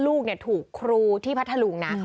ลูกถูกครูที่พัทธลุงนะ